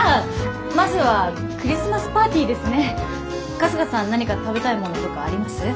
春日さん何か食べたいものとかあります？